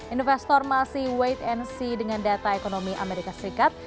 investor masih wait and see dengan data ekonomi amerika serikat